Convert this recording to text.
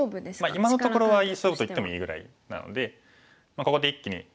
今のところはいい勝負といってもいいぐらいなのでここで一気に。